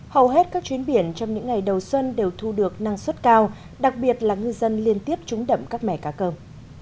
hầu hết các chuyến biển trong những ngày đầu xuân đều thu được năng suất cao đặc biệt là ngư dân liên tiếp trúng đậm các mẻ cá cơm